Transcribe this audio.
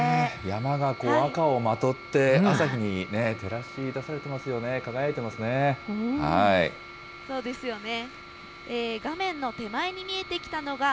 山がこう、赤をまとって、朝日に照らし出されていますよね、輝いてますね。